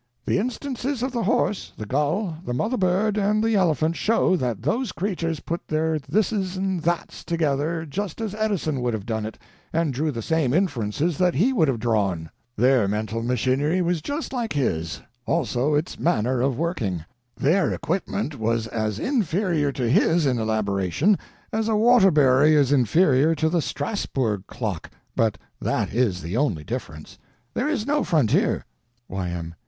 The instances of the horse, the gull, the mother bird, and the elephant show that those creatures put their this's and thats together just as Edison would have done it and drew the same inferences that he would have drawn. Their mental machinery was just like his, also its manner of working. Their equipment was as inferior to the Strasburg clock, but that is the only difference—there is no frontier. Y.M.